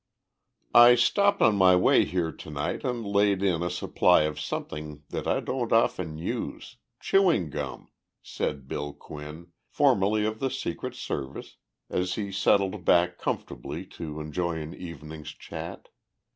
"I stopped on my way here to night and laid in a supply of something that I don't often use chewing gum," said Bill Quinn, formerly of the Secret Service, as he settled back comfortably to enjoy an evening's chat.